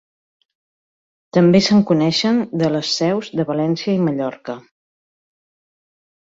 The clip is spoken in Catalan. També se'n coneixen de les seus de València i Mallorca.